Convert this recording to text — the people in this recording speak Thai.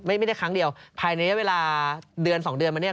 ไม่ได้ครั้งเดียวภายในเวลาเดือนสองเดือนมาเนี่ย